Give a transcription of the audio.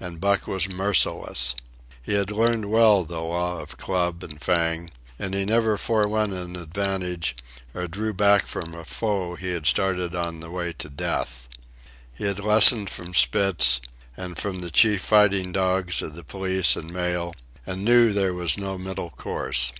And Buck was merciless. He had learned well the law of club and fang, and he never forewent an advantage or drew back from a foe he had started on the way to Death. He had lessoned from Spitz, and from the chief fighting dogs of the police and mail, and knew there was no middle course.